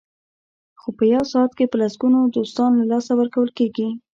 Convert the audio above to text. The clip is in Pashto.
خو په یو ساعت کې په لسګونو دوستان له لاسه ورکول کېږي.